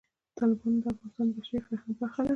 تالابونه د افغانستان د بشري فرهنګ برخه ده.